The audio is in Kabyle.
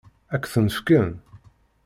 Ad k-ten-fken?